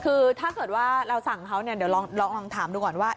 คือถ้าเกิดว่าเราสั่งเขาเนี่ยเดี๋ยวลองถามดูก่อนว่า